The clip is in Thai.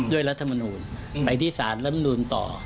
รัฐมนูลไปที่สารรัฐมนูลต่อ